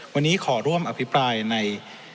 วันนี้ขอร่วมอภิปรายใน